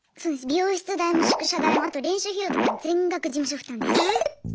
美容室代も宿舎代もあと練習費用とかも全額事務所負担です。